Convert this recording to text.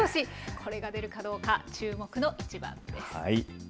これが出るかどうか、注目の一番です。